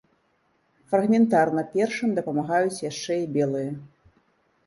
Фрагментарна першым дапамагаюць яшчэ і белыя.